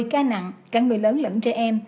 một mươi ca nặng càng người lớn lẫn trẻ em